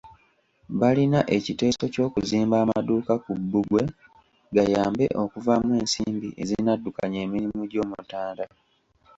Balina ekiteeso ky'okuzimba amaduuka ku bbugwe, gayambe okuvaamu ensimbi ezinaddukanya emirimu gy'Omutanda .